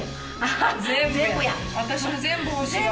私も全部欲しいよ